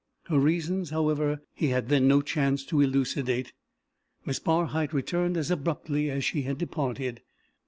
Her reasons, however, he had then no chance to elucidate. Miss Barhyte returned as abruptly as she had departed.